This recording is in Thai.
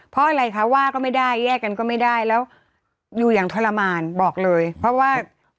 เพราะอะไรคะว่าก็ไม่ได้แยกกันก็ไม่ได้แล้วอยู่อย่างทรมานบอกเลยเพราะว่า